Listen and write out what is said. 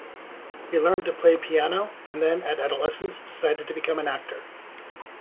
He learned to play piano, and then at adolescence decided to become an actor.